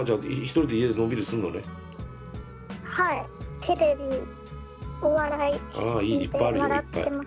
テレビお笑い見て笑ってます。